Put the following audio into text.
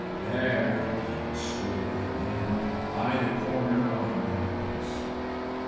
There, indeed, stood a man by the corner of the mantelpiece!